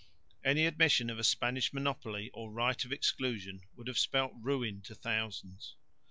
Any admission of a Spanish monopoly or right of exclusion would have spelt ruin to thousands.